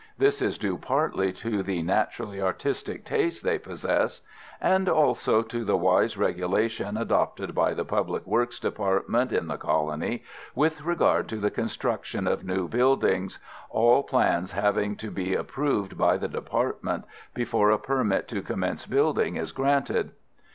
This is due partly to the naturally artistic taste they possess, and also to the wise regulations adopted by the Public Works Department in the colony, with regard to the construction of new buildings, all plans having to be approved by the Department before a permit to commence building is granted.